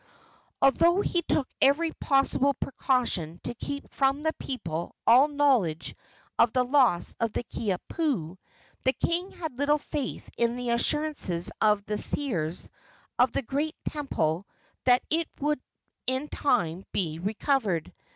Although he took every possible precaution to keep from the people all knowledge of the loss of the Kiha pu, the king had little faith in the assurances of the seers of the great temple that it would in time be recovered.